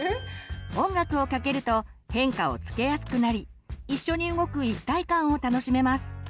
音楽をかけると変化をつけやすくなりいっしょに動く一体感を楽しめます。